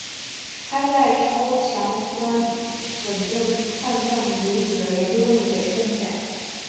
他在超强酸稳定碳正离子的研究中有杰出贡献。